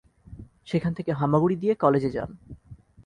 সেখান থেকে হামাগুড়ি দিয়ে কলেজে যান।